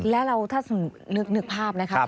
และเราถ้าถึงนึกภาพนะครับ